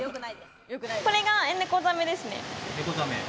これがネコザメですね。